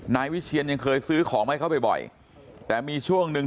นายวิเชียนยังเคยซื้อของให้เขาบ่อยแต่มีช่วงหนึ่ง